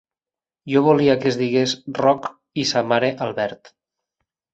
Jo volia que es digués Roc i sa mare Albert.